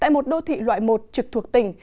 tại một đô thị loại một trực thuộc tỉnh